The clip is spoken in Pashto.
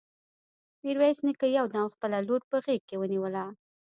ميرويس نيکه يو دم خپله لور په غېږ کې ونيوله.